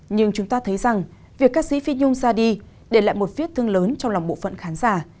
nhưng chúng ta thấy rằng việc ca sĩ phi nhung ra đi để lại một viết thương lớn trong lòng bộ phận khán giả